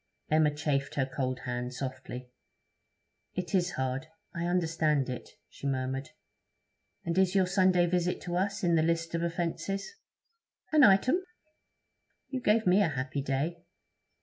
Emma chafed her cold hand softly. 'It is hard; I understand it,' she murmured. 'And is your Sunday visit to us in the list of offences?' 'An item.' 'You gave me a happy day.'